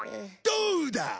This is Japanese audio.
どうだ！